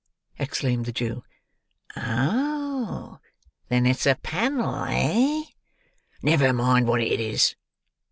exclaimed the Jew. "Oh! then it's a panel, eh?" "Never mind wot it is!"